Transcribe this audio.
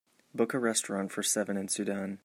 book a restaurant for seven in Sudan